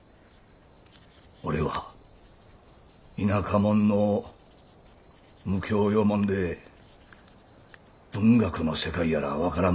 俺は田舎者の無教養者で文学の世界やら分からん